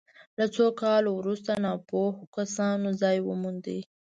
له څو کالو وروسته ناپوهو کسانو ځای وموند.